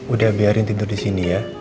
udah biarin tidur di sini ya